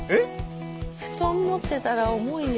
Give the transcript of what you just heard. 布団持ってたら重いよ。